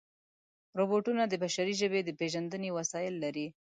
روبوټونه د بشري ژبې د پېژندنې وسایل لري.